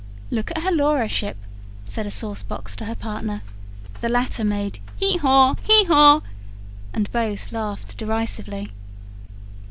"Look at her Laura ship!" said a saucebox to her partner. The latter made "Hee haw, hee haw!" and both laughed derisively.